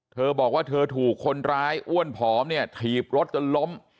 เธอบอกว่าเธอถูกคนร้ายอ้วนผอมเนี่ยถีบรถจนล้ม